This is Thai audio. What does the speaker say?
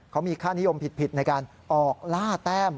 เขามีค่านิยมผิดในการออกล่าแต้ม